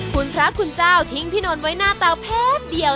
คุณพระคุณเจ้าทิ้งพี่นนท์ไว้หน้าเตาแพบเดียว